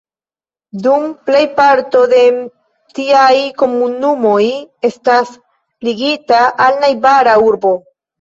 Nun plejparto de tiaj komunumoj estas ligita al najbara urbo.